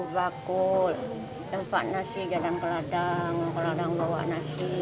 tempat nasi tempat nasi jadang keladang keladang bawak nasi